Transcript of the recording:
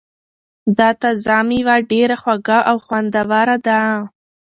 دا تازه مېوه ډېره خوږه او خوندوره ده.